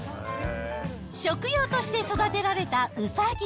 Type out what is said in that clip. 食用として育てられたウサギ。